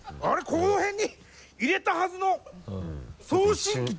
ここの辺に入れたはずの送信機どこぜよ？